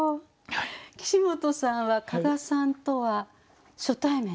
岸本さんは加賀さんとは初対面ですか？